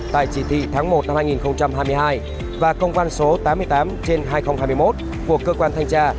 tại chỉ thị tháng một năm hai nghìn hai mươi hai và công văn số tám mươi tám trên hai nghìn hai mươi một của cơ quan thanh tra